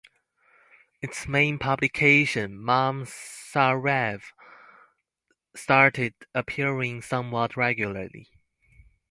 Its main publication, "Momsarev", started appearing somewhat regularly.